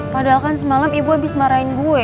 padahal kan semalam ibu habis marahin gue